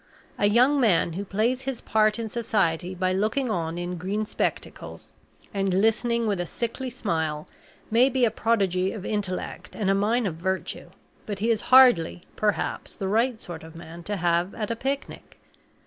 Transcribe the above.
A young man who plays his part in society by looking on in green spectacles, and listening with a sickly smile, may be a prodigy of intellect and a mine of virtue, but he is hardly, perhaps, the right sort of man to have at a picnic.